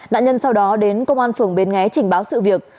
nạn nhân sau đó đến công an phường bến nghé trình báo sự việc